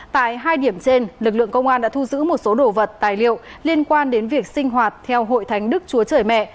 tại hai điểm trên lực lượng công an đã thu giữ một số đồ vật tài liệu liên quan đến việc sinh hoạt theo hội thánh đức chúa trời mẹ